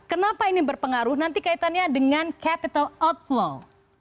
kenapa ini berpengaruh nanti kaitannya dengan capital outflow